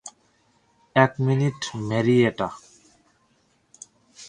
এক minute, Marietta.